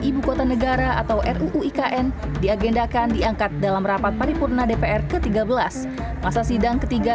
ibu kota negara atau ruu ikn diagendakan diangkat dalam rapat paripurna dpr ke tiga belas masa sidang ketiga